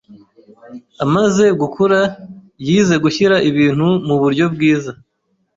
Amaze gukura, yize gushyira ibintu muburyo bwiza.